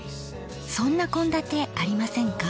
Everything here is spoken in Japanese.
そんな献立ありませんか？